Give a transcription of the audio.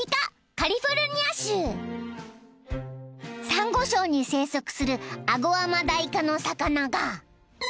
［サンゴ礁に生息するアゴアマダイ科の魚が］